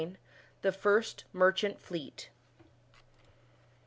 THE FIRST MERCHANT FLEET.